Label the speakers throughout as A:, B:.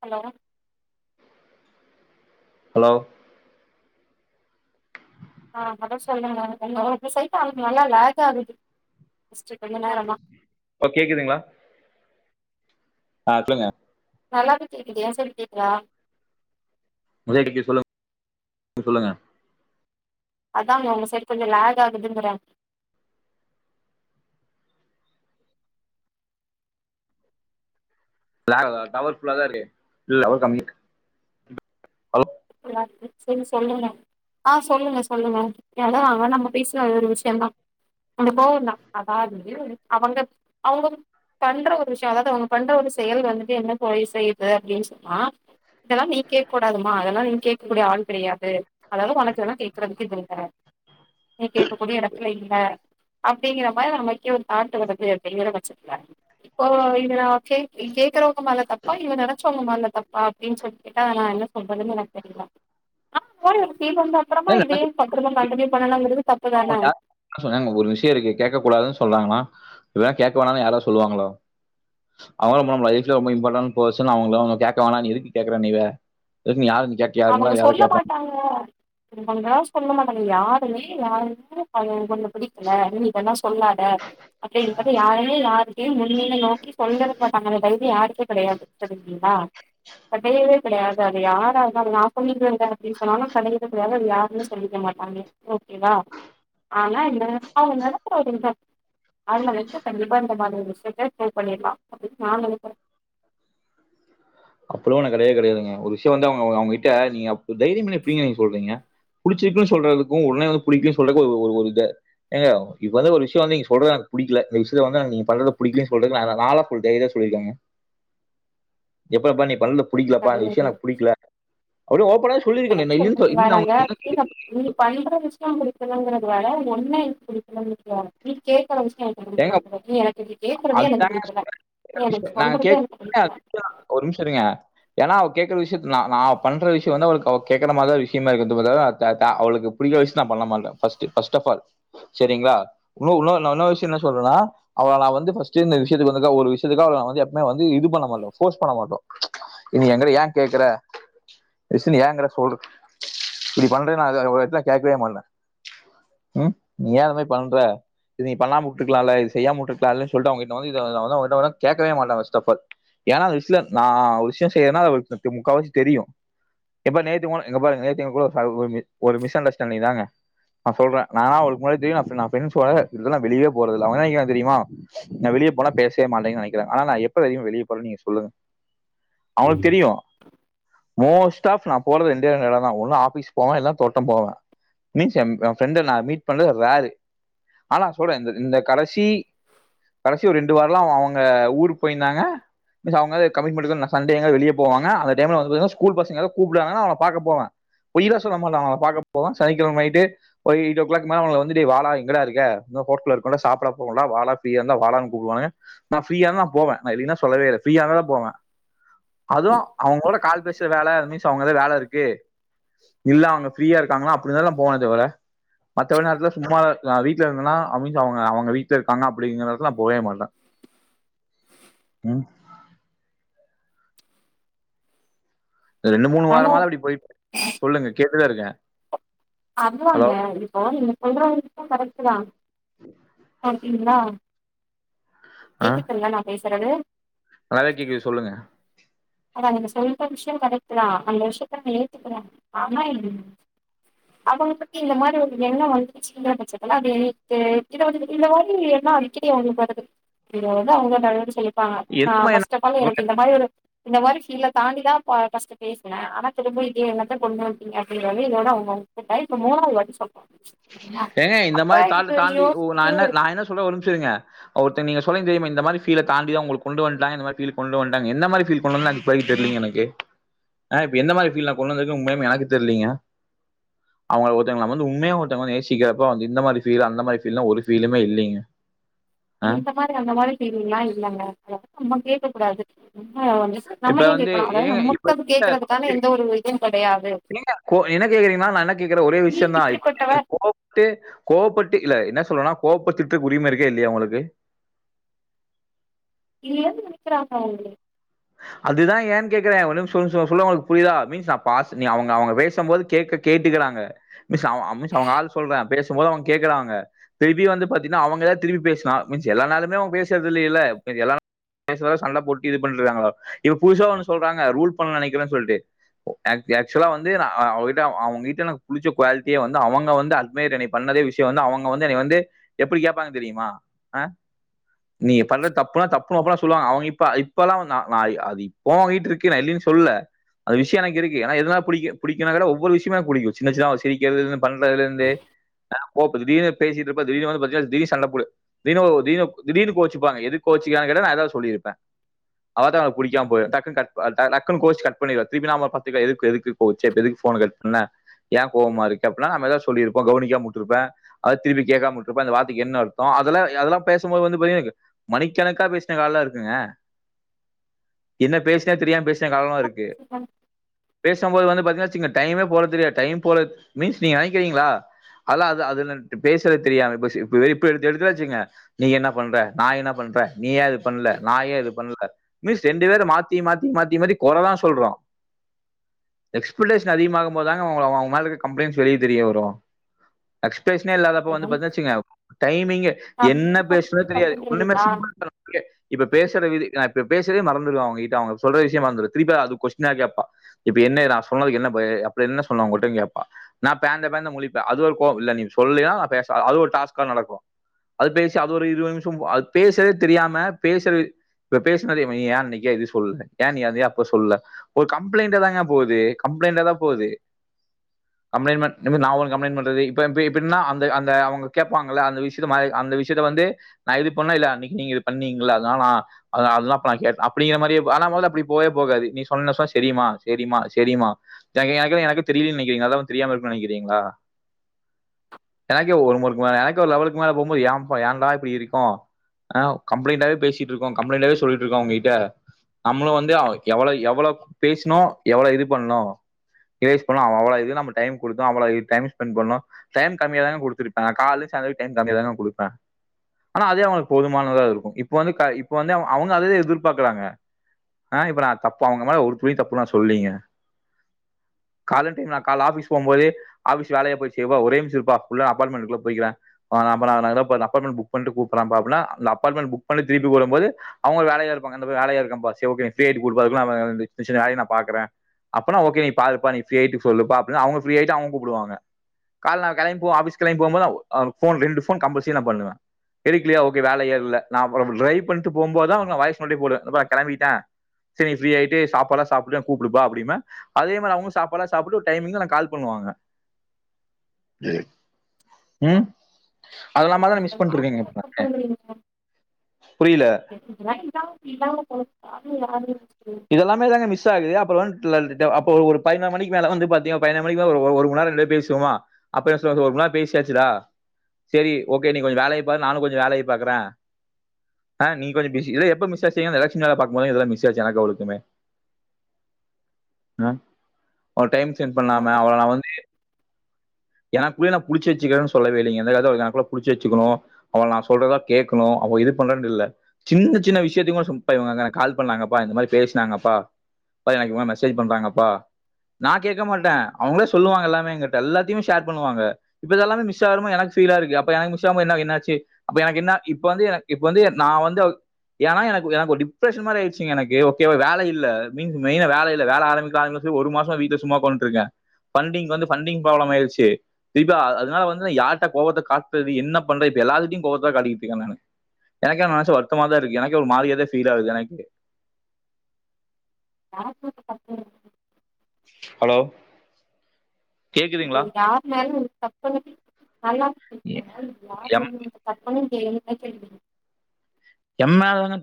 A: Hello
B: hello
A: ஆ அத சொல்லுங்க உங்க உங்க சைட்டு அளுங்க நல்லா லேக் ஆகுது ஸ்ட்ரி கொஞ்ச நேரமா
B: ஓ கேக்குதுங்களா ஆ சொல்லுங்க
A: நல்லாவே கேக்குது ஏ சைடு கேக்குதா
B: முதடிக்கு சொல்லுங் சொல்லுங்க
A: அதாங்க உங்க சைடு கொஞ்ச லேகு ஆகுதுங்கிறாங்
B: லேக் டவர் ஃபுல்லாதா இருக்கு இல் டவர் கம்மி அ
A: ஃபுல்லா இருக்கு சேரி சொல்லுங்க ஆ சொல்லுங்க சொல்லுங்க எல்லா அவ நம்ம பேசின ஒரு விஷயதா கொஞ்ச கோவந்தா அதாவது அவங்க அவங்க பண்ற ஒரு விஷயோ அதாவது அவங்க பண்ற ஒரு செயல் வந்துட்டு என்ன போய் செய்யுது அப்பிடின் சொன்னா இதெல்லா நீ கேக்க கூடாதுமா அத ல்லா நீ கேட்கக்கூடிய ஆள் கிடையாது அதாவது உனக்கு இததெல்ல கேக்குறதுக்கு இது இல்ல நீ கேட்க கூடிய இடத்துல இல்ல அப்பிடிங்கற மாரி நமக்கே ஒரு தாட்டு வருது செய்யற பட்சத்துல இப்போ இவங்கள கேட்க கேட்கிறவங்க மேல தப்பா இல்ல நெனச்சவங்க மேல தப்பா என்ன அப்பிடின் சொல்லி கேட்டா நா என்ன சொல்றதுனு செரிங்க ஆ கோரிர் சீமந்த அப்பறமா இத
B: என்ன
A: பத்துருமா கண்டினியூ பண்ணலாங்கிறது தப்புதான
B: வே கேக்க வேணான்னு யாரவது சொல்லுவாங்களா அவங்களா நம்ம லைஃப்ல ரொம்ப இம்பார்ட்ண்ட் பேர்சன் அவுங்கல அவங்க கேட்க வேணானு எதக்கு கேட்கிறாய் நீ வே ஸ்ட் யாரு நீ கேட்க
A: அவங்க
B: யாருங்களா யாரை
A: சொல்ல
B: கேட்பாங்க
A: மாட்டாங்க இப்பிடி பண்றா சொல்ல மாட்டாங்க யாருமே யாருக்கு பைய உன்ன பிடிக்கல நீவேணா சொல்லாத அப்பின்றது யாருமே யாருக்கயே முன்னில நோக்கி சொல்லவே மாட்டாங்க அந்த வைதிய யார் த்தே கெடையாது தெரிஞ்ங்களா கெடையவே கெடையாது அது யாரா நா சொல்லிக்கேங்க அப்பிடின் சொன்னாலு கடையவே யாரும்மே சொல்லிக்க மாட்டாங்க ஓகேவா ஆனா எகிட்ட அவுங்க நெனைக்கற ஒரு அவள வச்சி கண்டிப்பா இந்த மாதிரி ஒரு விஷயத்தை ட்ரை பண்ணிர்லா அப்பிடி நா நெனைக்கறே
B: ப்பலோ கெடையாவே கெடையாது ஒரு விஷ்யோ வந்து அவுங்க அவுங்கிட்ட நீங்க தைரியம் என்ன இப்பிடிங்க நீங்க சொல்றீங்க புடிச்சிருக்குன்னு சொல்றதுக்கு உடனே வந்து புடிக்கன்னு சொல்றக்கு ஒரு ஒரு இ ஏங்க இப்ப வந்து ஒரு விஷயோ வந்து நீங்க சொல்றது எனக்கு ப புடிக்கல தயவுசெய்து வந்து அங்க நீ பண்றத புடிக்கலன்னு சொல்றது நால நாலா ஒரு தைரியா சொல்லிருக்காங்க எப்பரப்பா நீ பண்து
A: கிடையாது
B: அப்படியே ஓப்பனா
A: இப்ப
B: சொல்லியிருக்கேன்
A: நம்ம
B: நான் இல்லைன்னு
A: சொல்றீங்க
B: சொல்ல- இல்ல அவங்க
A: நாங்க
B: என்ன
A: நீங்க
B: கேட்டு-
A: நீ பண்ற விஷயோ பிடிக்கலன்கிறது வேற ஒன்ன எனக்கு பிடிக்கலன்றது வேற நீ கேக்ற விஷயோ
B: ஏங்க
A: எனக்கு
B: அதுதாங்க
A: பிடிக்கல
B: சொல்லற
A: நீ எனக்கு
B: விஷ்யோ நாங்
A: சொல்றதே
B: கேக்
A: எனக்கு பிடிக்கல
B: [unintelligible] ஒரு நிமிஷோ இருங்க ஏன்னா அவள் கேட்கற விஷயத்த நா நா பண்ற விஷ்யோ வந்து அவளுக்கு அவ கேக்கற மாரிதா ஒரு விஷயமா இருக்குதுக்கு பதிலா அத்த அவளுக்கு புடிக்க விஷயோ நா பண்ணலமாட்டே பஸ்ட் பஸ்டஃபால் சரிங்களா இன்னோ இன்னோ த்து என்னா சொல்லறேனா அவல நா வந்து பஸ்டே இந்த விஷயத்துக்கு வந்துகா ஒரு விஷயத்துக்கா நா வந்து எப்பவுமே வந்து இது பணண் மாட்டோ ஃபோர்ஸ் பண்ண மாட்டோ இனி எங்கள வந்து ஏ கேக்குற ரிசின் எங்கர் இப்பிடி பண்ற நா எதோ ஒரு இத கேக்கவே மாட்டே ம் ஏ இதுமே பண்ற நீ பண்ணாமவுட்டு இத்துருக்கலால்ல செய்யமாவிட்டுருக்கிலாமில்ல சொல்லுட்டு அவங்ககிட்ட இத வந்து கேக்க மாட்டே பஸ்டஃபால் ஏ நான அந்த விஷதுல நா விஷயம் செய்யிறேனா முக்காவாசி தெரியு எப்பா நேத்து கூ இங்க பாருங்க நேத்து கூட ஒரு மிஸ்அண்டர்ட ஸ்டாண்டிங்தாங்க நா சொல்றே நாலா அவளுக்கு முன்னாடி தெரியும் நா ஃபிரண்ட்ஸ்வோட இதலா வெளியே போறது இல்ல அவ நெனைக்கிற தெரியுமா நா வெளியே போனா பேசவே மாட்டேன்னு நெனைக்கிறா ஆனா நா எப்ப அதிக வெளிய போற நீங்க சொல்லுங்க அவங்களுக்கு தெரியு மோஸ்ட் டாஃப் நா போறது ரெண்டே ரெண்டு இடம் தா ஒன்னு ஆபீஸ் போவே இல்ல தோட்டோ போவோ மிஸ் ஏ பிரண்ட்ட நா மீட் பண்றது ரேர் ஆனா நா சொல்லறே இந்த கடசி கடசி ஒரு ரெண்டு வாரலா அவங்க தா கமிட்பண்ண சன்டே வெளிய போவாங்க அந்த டைம்ல ஸ்கூல் பசங்க கூப்புடுவாங்க அவள பாக்க போவே பொய்லா மாட்டே அவங்கள பாக்க போவே சனிக்கிழம நைட் ஒரு எயிட் ஓ கிளாக் மேல வந்துடே வாடா எங்கடா இருக்க [unintelligible] வாடா கூப்பிட போலா வாடா ஃப்ரியா இருந்தா வாடானு கூப்புடுவாங்க நா ஃப்ரியா இருந்தா நா போவே இல்லின்னா சொல்லவே இல்ல ஃப்ரீய இருந்ததா போவே அதுவு அவங்களோட கால்பேசல வேல இருந்த மிஸ் அவங்க எத வேல இருக் க்கு இல்ல அவங்க ஃப்ரியா இருக்காங்கன்னா அப்பிடிதா போனவ தவற மத்த நேரத்தில சும்மா நா வீட்ல இருந்தனா அமி அவங்க அவங்க வீட்ல இருக்காங்க அப்பிடிங்கடத்துலா போவேமாட்டே ம் ரெண்டு மூணு
A: அதனால
B: வாரமதா அப்பிடி போயிட் சொல்லுங்க கே இப்பிடிதா இருக்கே
A: அவ்வாங்க இப்போ நீங்க சொல்றதெல்லா கரெக்ட்டுதா சாப்டிங்களா
B: ஆ
A: கேக்குதுல்ல நா பேஸ் சுறது
B: நல்லாவே கேக்குது சொல்லுங்க
A: அதா நீங்க சொல்ற விஷ்யோ கரெகட்டுதா அந்த விஷ்யத்த நு ஏத்துக்குற ஆனா அவங்களுக்கு இந்த மாரி ஒரு எண்ணோ வந்துச்சுங்குற பட்சத்துல [unintelligible] எண்ணோ அடிக்கடி அவங்களுக்கு வருது [unintelligible] டா நா
B: என்னம்மா என்ன
A: ஃபஸ்ட் அப் ஆல் எனக்கு இந்த மாரி ஒரு இந்த மாரி கஃபீல தாண்டிதா பா ஃபஸ்ட்டு பேசுன ஆனா திரும்ப இதே என்னத்த கொண்டு வன்ட்டீங்க அப்டிங்குற மாரி இதோட அவங்க உங்கிட்ட இப்ப மூணாவது வாட்டி [unintelligible] சரிங்களா
B: ஏங்க இந்த
A: அப்ப
B: மாரி தாண்ட
A: இது
B: தாண்டி ஓ நா
A: யோசிச்சு
B: என்ன நா என்ன சொல்ல ஒரு நிம்ஷோ இருங்க அவர் த்து நீங்க சொன்னீங்க தெரியுமா இந்த மாரி ஃபீல தாண்டிதா உங்களுக்கு கொண்டு வன்ட்டாங்க இந்த மாரி ஃபீலுக்கு கொண்டு வன்ட்டாங்க என்ன மாரி ஃபீல் பதில் தெரிலங்க எனக்கு ஆ இப்ப எந்த மாரி ஃபீல் கொண்டு வந்து இருக்குன் உண்மையாலுமே எனக்கு தெரிலிங்க அவுங்கள ஒருத்தவங்கல நா வந்து உண்மையா ஒருத் ஒருத்தவங்க நேசிக்கிறப்ப வந்து இந்த மாரி ஃபீல்லு அந்த மாரி ஃபீல்லா ஒரு ஃபீலுமே இல்லீங்க
A: எ
B: ஆ
A: இந்த மாரி அந்த மாரி ஃபீல்லா இல்லங்க [unintelligible] கேக்க கூடாது ம்
B: இப்ப வந்து ஏங்க இப்ப
A: அது கேட்கறதுக்கான
B: கே
A: எந்த ஒரு இதுவும் கெடையாது.
B: [inaudible] நீங்க என்ன கேக்குறீங்கன்னா நா என்ன கேக்குற ஒரே
A: நீ
B: விஷ்யந்தா இப்ப
A: இப்படிப்பட்டவ
B: நீங்க கோவப்பட்டு கோவப்பட்டு இல்ல என்ன சொல்றனா கோவப்பத்துட்டுக்கு உரிம இருக்கா இல்லையா உங்களுக்கு
A: இல்ல [inaudible]
B: அதுதா ஏன் கேக்குற [unintelligible] சொன்னா உங்களுக்கு புரியுதா மீன்ஸ் நா பாஸ் நீ அவங்க அவங்க பேசும்போது கேக்க கேட்டிக்கிறாங்க மிஸ் மிஸ் அவங்க ஆள் சொல்ற பேசும்போது அவங்க கேக்குறாங்க திருப்பி வந்து பாத்தீங்கன்னா அவங்க எதாவது திருப்பி பேசுனா முடுஞ்சு எல்லா நாலுமே அவங்க பேசுறது இல்லியல்ல மீதி எல்லா நாலு சண்ட போட்டு இது பண்றாங்களா இப்ப புதுசா ஒன்னு சொல்றாங்க ரூல் பண்ண நெனைக்கிறன் சொல்ட்டு ஏக் ஏக்சுவலா வந்து நா அவுங்க கிட்ட அவுங்க கிட்ட நா புடுச்ச குவாலிட்டியே வந்து அவங்க வந்து அட்மியர் என்னைய பண்ணதே விஷ்ய வந்து அவுங்க வந்து என்னைய வந்து எப்டி கேப்பாங்க தெரியுமா அ நீங்க பண்றது தப்புனா தப்புன் ஓப்பனா சொல்லுவாங்க அவுங்க இப்ப இப்பல்லா நா நா அது இப்போவு உங்கிட்டு இருக்கு நா இல்லீன் சொல்ல அது விஷ்யோ எனக்கு இருக்கு ஏனா எதுனா பிடிக்கு பிடிக்கனதா ஒவ்வொரு விஷ்யமா எனக்கு புடிக்கு சின்ன சின்னதா அவ சிரிக்கிறதுல இருந்து பண்றதுல இருந்து அ கோவப்படுறது திடீர்னு பேசிட்ருப்பா திடீர்னு வந்து பாத்தீனா திடீர்னு சண்ட போடு தீனு தீனு திடீர்னு கோச்சுப்பாங்க எதுக்கு கோச்சுக்கலான்னு கேட்டா நா எதாவது சொல்லிருப்ப அதா அவளுக்கு புடிக்காம போயும் டக்குட் க்குன்ன கோச்சு கட் பண்ணிருடுவேன் திருப்பி நான் பத்துக்க எதுக்கு எதுக்கு கோச்ச இப்ப எதுக்கு போோு கட் பண்ணன் ஏன் கோவமா இருக்கு அப்படின்னா நம்மதாவ சொல்லிருப்போம் கவனிக்காமாட்டிருப்பன் அதது திருப்பிடக்காமட்டிருப்பன் இந்த வார்த்தக்குன அர்த்தம்துல்ல அதெல்லாம் பேசும்ோது வந்து பாத்தீங்க எனக்கு மணிக்கக்கணக்கா பேசின காலாம் இருக்குங்க என்ன பேசுனேன் தெரியாம பேஸ் கஷ்ட காலமா இருக்கு பேசும்போது வந்து பாத் பாத்தீங்கன்னா வெச்சுக்கங்க டைம்மே போறது தெரியாது டைம் போறது மீன்ஸ் நீங்க நெனைக்கிறீங்களா அல்லா அது அதுனுன்ட்டு பேசுறது தெரியாம போச்சு [unintelligible] நீ என்ன பண்ற நா என்ன பண்ற நீ ஏ இது பண்ல நா ஏ இது பண்ல மிஸ் ரெண்டு பேரு மாத்தி மாத்தி மாத்தி மாத்தி கொறதா சொல்றோ எக்ஸ்புளேசன் அதிகமாகும் போது தாங்க உங்கள அவ அவுங்க மேல இருக்க கம்புளெயின்ஸ் வெளிய தெரிய வரு எக்ஸ்பேசன்னே இல்லாத அப்போ வந்து பாத்தீங்கன்னா வெச்சுக்கங்க டைம்மிங்கே என்ன
A: அப்படின்னு
B: பேசவே
A: பண்றது
B: தெரியாது ஒண்ணுமே
A: தப்புங்கிறீங்களா?
B: [inaudible] இப்ப பேசுற விது அப் இப்ப பேசுறதே மறந்துருவ அவங்க கிட்ட அவங்க சொல்ற விஷ்யம் மறந்து திருப்ப அது கொஷ்டின்னா கேப்பா இப்ப என்ன நா சொன்னதுக்கு என்ன என்ன சொன்னோ உங்கள்டின் கேப்பா நா பேந்த பேந்த முழிப்ப அது ஒரு கோவ் இல்ல நீ சொல்லீனா நா பேச அ அது ஒரு டாஸ்கா நடக்கு அது பேசி அது ஒரு இருவது நிம்ஷோம் அத் பேசுறதே தெரியாம பேசுற வித் இப்ப பேசுனது இவ ஏ அன்னைக்கே இது சொல்ல ஏ நீ அது அப்ப சொல்ல ஒரு கம்புளைண்டாதாங்க போகுது கம்புளைண்டாதா போகுது கம்புளைண்ட்மன் நா ஒண்ணு கம்புளைண்ட் பண்றது [unintelligible] இப்ப இப்டின்னா அந்த அந்த அவங்க கேப்பாங்கள்ல அந்த விஷ்யத்த அந்த விஷ்யத்த வந்து நா இது பண்ண இல்ல அன்னைக்கு நீங்க இது பண்ணீங்கள்ல அதனால நா அதனாலதா அப்ப நா கேட்ட அப்டிங்கிற மாரி ஆனா மொதலு அப்டி போவே போகாது நீ சொன்னஸ்ஸோ செரிம்மா செரிம்மா செரிம்மா எனக்கு எனக்கு எனக்கு தெரிலின் நெனைக்கிறீங்களா அதெல்லா தெரியாம இருக்குன் நெனைக்கிறீங்களா எனக்கு ஒரு முறைக்கு மேல எனக்கு ஒரு லெவலுக்கு மேல போம்போது ஏம்பா ஏன்டா இப்டி இருக்கு ஆ கம்புளைண்டாவே பேசிட்டு இருக்கோ கம்புளைண்டாவே சொல்லிட்ருக்கோ அவங்க கிட்ட நம்ளு வந்து அவ எவ்வளோ எவ்வளோ பேசணு எவ்வளோ இது பண்ணு‌ இரேஸ் பண்ணா அவ்வளோ இது நம்ம டைம் குடுத்தோ அவ்வளோ இது டைம் ஸ்பெண்ட் பண்ணு டைம் கம்மியாதாங்க குடுத்துருப்ப காலு சேந்த டைம் கம்மியாதாங்க குடுப்ப ஆனா அதே அவங்களுக்கு போதுமானதா இருக்கு இப்போ வந்து க இப் இப்ப வந்து அவுங் அவுங்க அதே எதிர்பாக்கறாங்க ஆனா நா இப்ப தப்பா அவங்க ஒரு து சொல்லங்க கால டைம் ந கா ஆபிஸ் போும் போோே ஆபிஸ் வேல போய்வ ஒரோர பண்ண திருப்பி போது அவங்க வேலையா இருப்பாங்க இந்த மார் வேலையா இருக்கம்பா சேர் ஓகே நீ ஃபீரி ஆயிட்டு கூப்டுப்பா [unintelligible] நா பாக்கற அப்ப நா ஓகே நீ பாருப்பா நீ ஃபீரி ஆயிட்டு சொல்லுப்பா அப்டின் அவுங்க ஃபீரி ஆயிட்டு அவுங்க கூப்புடுவாங்க கால்ல நா கெளம்பி போ ஆஃப்பீஸ் கெளம்பி போம்போது நா அ ஃபோன் ரெண்டு ஃபோன் கம்பள் செரி நா பண்ணுவ எடுக்கலயா ஓகே [unintelligible] போகும்போது போ கிளம்பிட்ட சா கூண்ணுவா அது இல்லாமதா நா மிஸ் பண்ட்ருக்கீங்க
A: தப்புங்கிறீங்க.
B: [inaudible] புரியல
A: [inaudible]
B: இது எல்லாமேதாங்க மிஸ் வேலை [unintelligible] ம ஹ ஒரு டைம் ச சென்ட் பண்ணாம அவள நா வந்து எனக்குள்ளயே நா புடிச்சு வச்சுக்கேன்னு சொல்லவே இல்லங்க எந்தக்குள்ள புடிச்சு வச்சுணு அவள நா சொல்றதா கேக்கனு அவ இது பண்றேன்னு இல்ல சின்ன சின்ன வியத்தயு கூப்ப இவுங்க கால் பண்ணாங்கப்பா இந்த மாதிரி பேசினாங்கப்பா எனக்கு இவுங்க மெசேஜ் பண்றாங்கப்பா நா கேக்க மாட்டே அவுங்களே சொல்லுவாங்க எல்லாமே எங்கிட்ட எல்லாத்தையு ுவ [unintelligible] தீபா அதனால வந்து நா யார்ட்ட கோவத்த காட்றது என்ன பண்றே இப்ப எல்லாத்துகிட்டேயு கோபத்த காட்டிக்கிட்ட இருக்கே நானு எனக்கு என்ன நெனச்சா வருத்தமாதா இருக்கு எனக்கே ஒரு மாதிரியதா ஃபீல் ஆகுது எனக்கு
A: [unintelligible]
B: ஹலோ
A: சரி
B: கேக்குதுங்களா
A: யார் மேலயு தப்ப நல்லா இல்ல
B: எம்
A: நீ கண்ண சேரிங்க தோழி
B: எம்மேளதான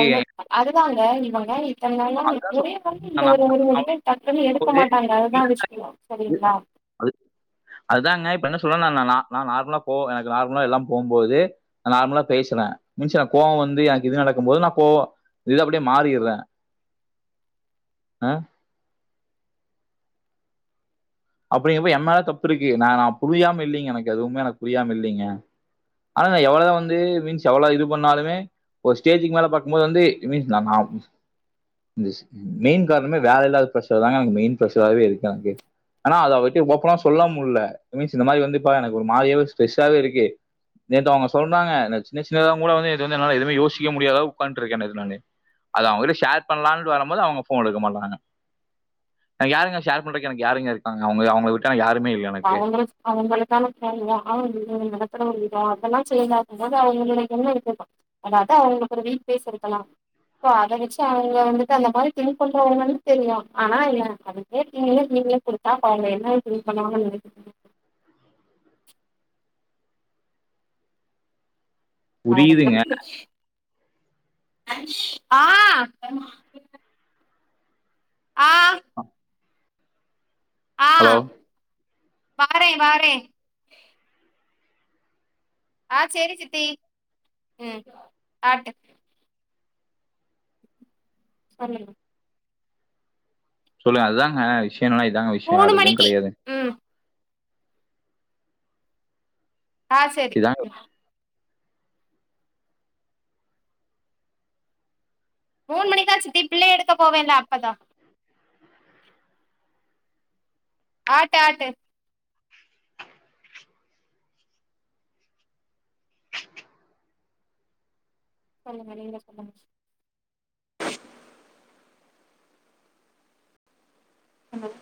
A: ஒன்னு அதுதாங்க இவுங்க இத்தன நாளா முறய இ ஒரு ஒரு முடி பே டக்குன்னு எடுக்க மாட்டாங்க அதுதா விஷயோ சரிங்ளா
B: சொல்ல நா நார்மலா போ எனக்கு நார்மலா எல்லாம் போம்போது நா நார்மலா பேசுனே கோவ வந்து எனக்கு இது நடக்கு போது நா கோ இது அப்டியே மாறிறே அ அப்டிங்கிறப்ப எம் மேல தப்பு இருக்கு நா நா புரியாம இல்லைங்க எனக்கு எதுவுமே எனக்கு புரியாம இல்லைங்க ஆனா நா எவ்வளதா வந்து மீன்ஸ் எவ்வள இது பண்ணாலுமே ஒரு ஸ்டேஜுக்கு மேல பாக்கும்போது வந்து மீன்ஸ் நா இந்த மெயின் காரணமே வேல இல்லாத ப்ஷர் தாங்க எனக்கு மெயின் ப்ரஷாவே இருக்கு எனக்கு ஆனா அத அவட்ட ஒப்பனா சொல்ல முடில்ல மீன்ஸ் இந்த மாதிரி வந்துப்பா எனக்கு ஒரு மாதியாவே ஸ்ட்ரெஸ்ஸாவே இருக்கு நேத்து அவுங்க சொன்னங்க சின்ன சின்னதாவ கூட வந்து வந்து என்னால எதுவுே யோசிக்க முடியாதா அளவுக்கு உட்காட்டு இருக்கே நானு அத அவுங்ககிட்ட ஷேர் பண்ணலான்னுட்டு வரும்போது அவுங்க ஃபோன் எடுக்க மாட்றாங்க எனக்கு யாருங்க ஷேர் பண்றக்கு எனக்கு யாருங்க இருக்கா அவுங்க அவுங்கள விட்டா எனக் யாரு
A: அவுங்க அவுங்காளுக்கான தேவய எல்லா செய்யாது போது அவுங்கிட்ட என்ன இருக்கு அதாவது அவுங்களுக்கு ஒரு வீட் பேஸ் இருக்கலா அத வச்சு அங்க வந்துட்டு அந்த மாதிரி பண்றவங்க தெரியு ஆனா அது நீங்களே குடுத்தா என்ன பண்ணா உ ஆ
B: புரியுதுங்க
A: [unintelligible] ஆ ஆ
B: ஹலோ
A: வாறே வாறே ஆ சேரி சித்தி ம் ஆட்டு சொல்லுங்க
B: சொல்லுங்க அதுதாங்க விஷய என்னான்னா இதாங்க விஷ்ய
A: மூணு
B: வேற எதுவு
A: மணிக்கு
B: கெடயாது
A: ம் ஆ சேரி
B: இதாங்க
A: மூனு மணிக்கா சித்தி ப்ல்லே எடுக்க போவேல அப்பதா ஆட்டு ஆட்டு சொல்லுங்க நீங்களே சொல்லுங்க ம்